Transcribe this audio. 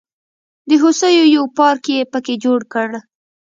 د هوسیو یو پارک یې په کې جوړ کړ.